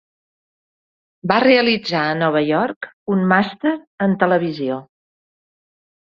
Va realitzar a Nova York un màster en televisió.